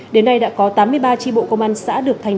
đến nay đã có tám mươi ba tri bộ công an xã